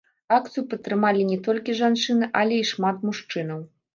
Акцыю падтрымалі не толькі жанчыны, але і шмат мужчынаў.